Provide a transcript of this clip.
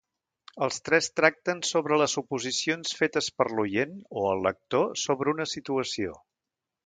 Els tres tracten sobre les suposicions fetes per l'oient o el lector sobre una situació.